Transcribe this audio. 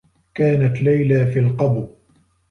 كانت ليلى في القبو.